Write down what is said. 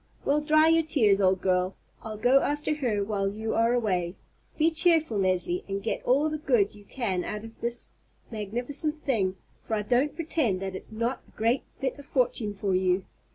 "Well, dry your tears, old girl; I'll look after her while you are away. Be cheerful, Leslie, and get all the good you can out of this magnificent thing, for I don't pretend that it's not a great bit of fortune for you.